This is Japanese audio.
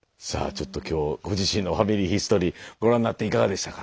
ちょっと今日ご自身の「ファミリーヒストリー」ご覧になっていかがでしたか？